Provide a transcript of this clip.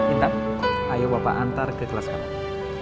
intan ayo bapak antar ke kelas kamu